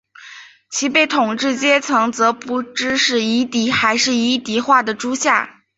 其被统治阶层则不知是夷狄还是夷狄化的诸夏。